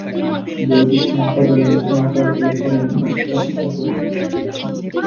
বইটি সম্পাদনা ও ভাষান্তর করেছিলেন আশফাক স্বপন।